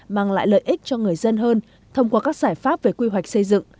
mang lại lợi ích cho người dân hơn thông qua các giải pháp về quy hoạch xây dựng